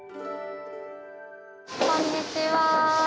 こんにちは。